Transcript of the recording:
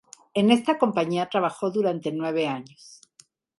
En esta compañía trabajó durante nueve años.